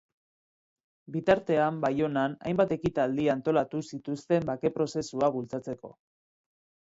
Bitartean Baionan hainbat ekitaldi antolatu zituzten bake prozesua bultzatzeko.